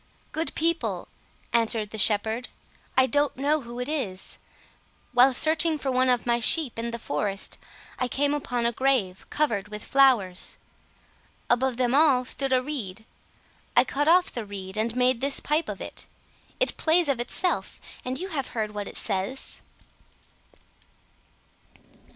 "Good people," answered the shepherd, "I don't know who it is. While searching for one of my sheep in the forest, I came upon a grave covered with flowers. Above them all stood a reed. I cut off the reed and made this pipe of it. It plays of itself, and you have heard what it says."